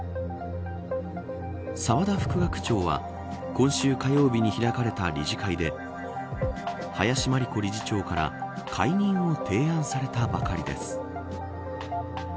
沢田副学長は今週火曜日に開かれた理事会で林真理子理事長から解任を提案されたばかりです。